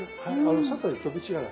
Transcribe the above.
外へ飛び散らない。